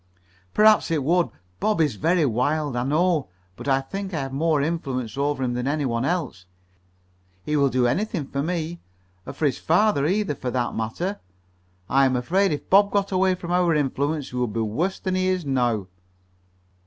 "Perhaps it would. Bob is very wild, I know, but I think I have more influence over him than any one else. He will do anything for me, or for his father, either, for that matter. I am afraid if Bob got away from our influence he would be worse than he is now."